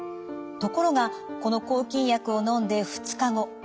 ところがこの抗菌薬をのんで２日後。